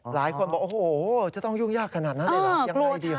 หลายคนบอกโอ้โหจะต้องยุ่งยากขนาดนั้นเลยเหรอยังไงดี